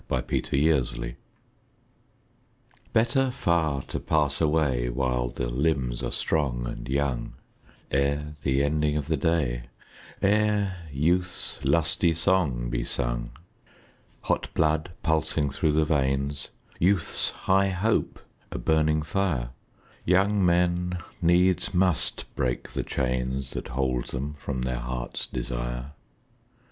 XV Better Far to Pass Away BETTER far to pass away While the limbs are strong and young, Ere the ending of the day, Ere youth's lusty song be sung. Hot blood pulsing through the veins, Youth's high hope a burning fire, Young men needs must break the chains That hold them from their hearts' desire.